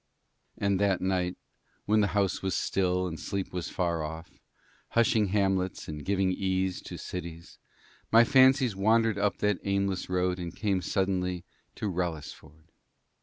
And that night, when the house was still and sleep was far off, hushing hamlets and giving ease to cities, my fancy wandered up that aimless road and came suddenly to Wrellisford.